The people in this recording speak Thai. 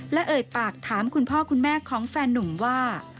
และเอ่ยปากถามคุณพ่อคุณแม่ของแฟนนุ่มว่า